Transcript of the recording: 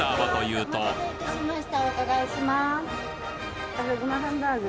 お伺いします。